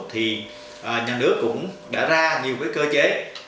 thì nhà nước cũng đã ra nhiều cơ chế